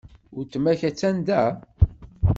Weltma-k attan da?